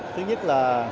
thứ nhất là xây dựng